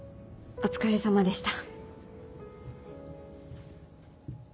お疲れさまでした。